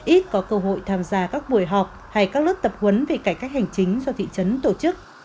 ít có cơ hội tham gia các buổi họp hay các lớp tập huấn về cải cách hành chính do thị trấn tổ chức